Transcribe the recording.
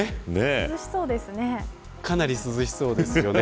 涼しそうですね。